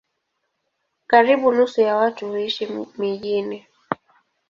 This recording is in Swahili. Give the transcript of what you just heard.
Karibu nusu ya watu huishi mijini.